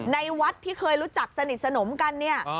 ในวัดที่เคยรู้จักสนิทสนมกันเนี่ย